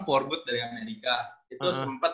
foreboard dari amerika itu sempet